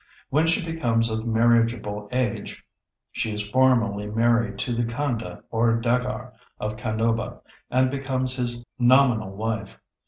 When she becomes of marriageable age she is formally married to the Khanda or daggar of Khandoba, and becomes his nominal wife.